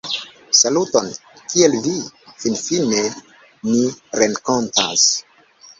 - Saluton! Kiel vi? Finfine ni renkontas-